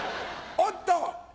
おっと！